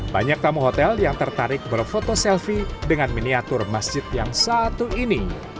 banyak tamu hotel yang tertarik berfoto selfie dengan miniatur masjid yang satu ini